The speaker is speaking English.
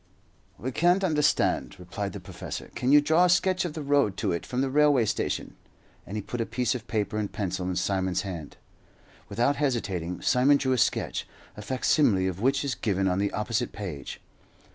"We can't understand," replied the professor. "Can you draw a sketch of the road to it from the railway station?" and he put a piece of paper and pencil in Simon's hand. Without hesitating, Simon drew a sketch, a facsimile of which is given on the opposite page.